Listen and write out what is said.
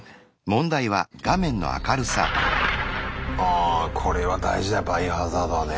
あこれは大事だ「バイオハザード」はね。